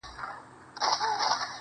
تا بدرنگۍ ته سرټيټی په لېونتوب وکړ